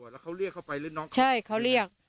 แล้วเขาเรียกเข้าไปหรือน้องเขาใช่เขาเรียก